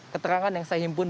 keterangan yang saya himpun